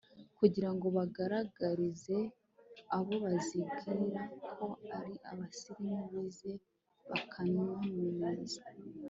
kugira ngo bagaragarize abo bazibwira ko ari abasirimu bize bakaminuza